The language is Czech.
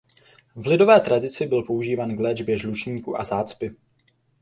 V lidové tradici byl používán k léčbě žlučníku a zácpy.